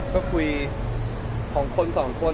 ก็คุยของคนสองคน